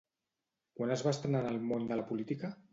Quan es va estrenar en el món de la política?